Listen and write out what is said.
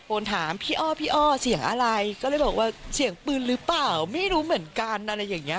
ก็เลยบอกว่าเสียงปืนหรือเปล่าไม่รู้เหมือนกันอะไรอย่างเงี้ย